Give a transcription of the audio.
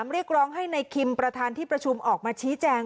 เรียกร้องให้ในคิมประธานที่ประชุมออกมาชี้แจง